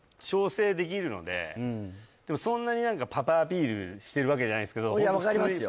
でもそんなに何かパパアピールしてるわけじゃないんですけどいや分かりますよ